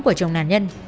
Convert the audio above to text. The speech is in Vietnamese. của chồng nàn nhân